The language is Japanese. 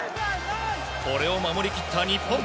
これを守り切った日本。